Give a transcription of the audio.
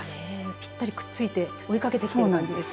ぴったりくっついて追いかけてきてる感じです。